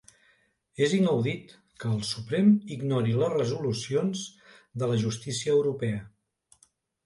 És inaudit que el Suprem ignori les resolucions de la justícia europea.